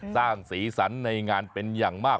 สร้างสีสันในงานเป็นอย่างมาก